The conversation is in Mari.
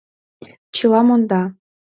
Чыла монда.